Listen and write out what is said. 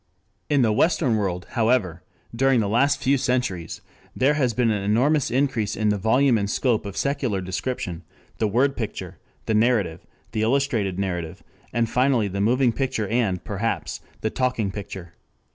In the western world, however, during the last few centuries there has been an enormous increase in the volume and scope of secular description, the word picture, the narrative, the illustrated narrative, and finally the moving picture and, perhaps, the talking picture.